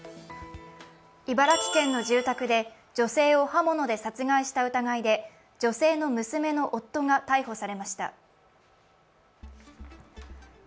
茨城県の住宅で女性を刃物で殺害した疑いで女性の娘の夫が逮捕されました。